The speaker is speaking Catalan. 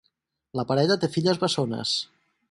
La parella té filles bessones.